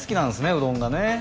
うどんがね。